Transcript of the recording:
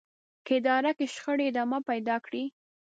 که اداره کې شخړې ادامه پيدا کړي.